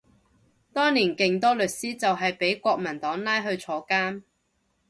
當年勁多律師就係畀國民黨拉去坐監